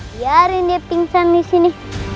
biarin dia pingsan di sini